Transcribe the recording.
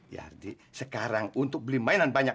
ya sekarang untuk beli mainan banyak